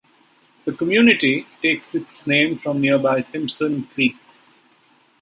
The community takes its name from nearby Simpson Creek.